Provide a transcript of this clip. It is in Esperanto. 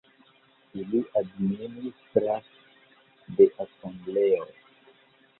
Ili administras de asembleoj.